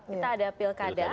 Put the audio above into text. kita ada pilkada